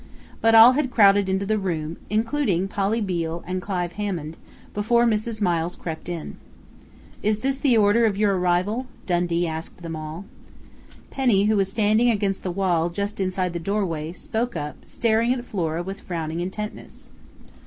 But all had crowded into the room, including Polly Beale and Clive Hammond, before Mrs. Miles crept in. "Is this the order of your arrival?" Dundee asked them all. Penny, who was standing against the wall, just inside the doorway, spoke up, staring at Flora with frowning intentness.